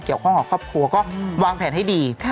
เกี่ยวข้องกับครอบครัวก็วางแผนให้ดี